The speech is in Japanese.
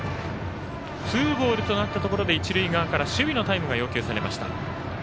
ツーボールとなったところで、一塁側から守備のタイムが要求されました。